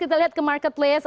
kita lihat ke marketplace